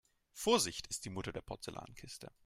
Vorsicht ist die Mutter der Porzellankiste.